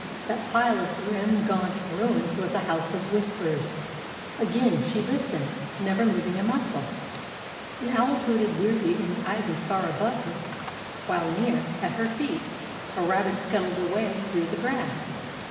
That pile of grim, gaunt ruins was a House of Whispers! Again she listened, never moving a muscle. An owl hooted weirdly in the ivy far above her, while near, at her feet, a rabbit scuttled away through the grass.